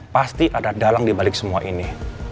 pasti ada dalang dibalik semua ini